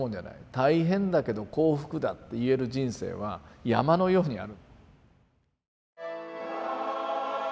「大変だけど幸福だ」って言える人生は山のようにある。